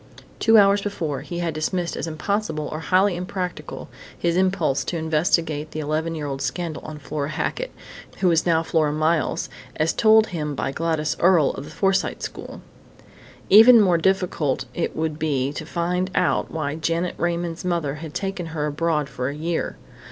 Two hours before he had dismissed as impossible or highly impractical his impulse to investigate the eleven year old scandal on Flora Hackett, who was now Flora Miles, as told him by Gladys Earle of the Forsyte School. Even more difficult would it be to find out why Janet Raymond's mother had taken her abroad for a year.